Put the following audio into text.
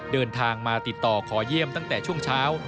เดินทางมาติดต่อขอเยี่ยมตั้งแต่ช่วงเช้า